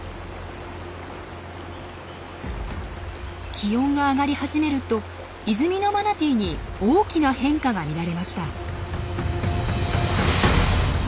気温が上がり始めると泉のマナティーに大きな変化が見られました。